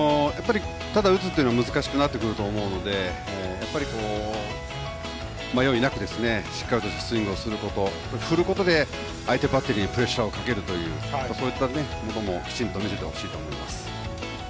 ただ打つというよりも難しくなってくると思うので迷いなく、しっかりとしたスイングをすること振ることで相手バッテリーにプレッシャーをかけるというそういったこともきちんと見せてほしいと思います。